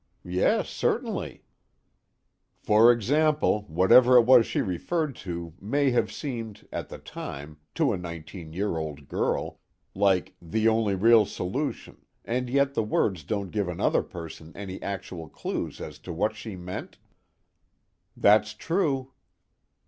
"Yes, certainly." "For example, whatever it was she referred to may have seemed, at the time, to a nineteen year old girl, like 'the only real solution,' and yet the words don't give another person any actual clue as to what she meant?" "That's true."